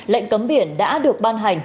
lệnh cấm biển đã được ban hành